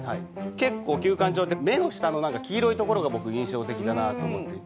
結構九官鳥って目の下の黄色いところが僕印象的だなと思っていて。